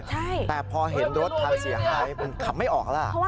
ใช่แต่พอเห็นรถคันเสียงไว้มันขับไม่ออกแล้วล่ะ